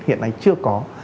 hiện nay chưa có